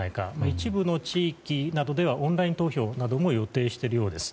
一部の地域などではオンライン投票なども予定しているようです。